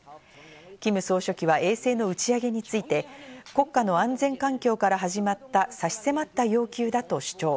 キム総書記は衛星の打ち上げについて、国家の安全環境から始まった差し迫った要求だと主張。